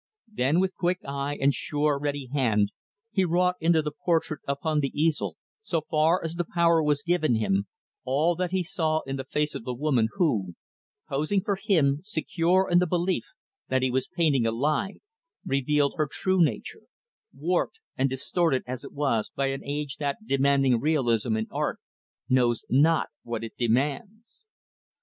Then, with quick eye and sure, ready hand, he wrought into the portrait upon the easel so far as the power was given him all that he saw in the face of the woman who posing for him, secure in the belief that he was painting a lie revealed her true nature, warped and distorted as it was by an age that, demanding realism in art, knows not what it demands.